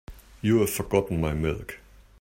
You've forgotten my milk.